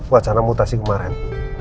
wacana mutasi kemarin